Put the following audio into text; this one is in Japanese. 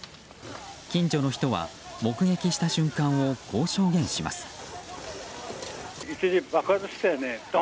近所の人は目撃した瞬間をこう証言します。